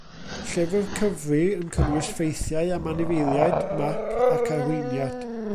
Llyfr cyfri yn cynnwys ffeithiau am anifeiliaid, map ac arweiniad.